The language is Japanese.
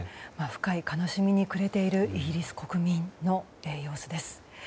深い悲しみに暮れているイギリス国民の様子です。